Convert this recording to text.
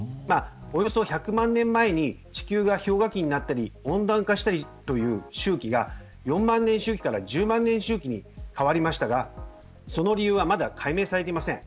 およそ１００万年前に地球が氷河期になったり温暖化したりという周期が４万年周期から１０万年周期に変わりましたがその理由はまだ解明されていません。